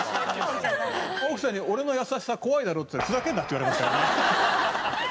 奥さんに「俺の優しさ怖いだろ？」って言ったら「ふざけんな！」って言われましたからね。